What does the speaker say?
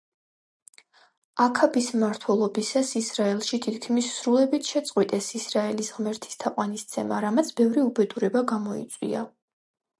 აქაბის მმართველობისას ისრაელში თითქმის სრულებით შეწყვიტეს ისრაელის ღმერთის თაყვანისცემა, რამაც ბევრი უბედურება გამოიწვია.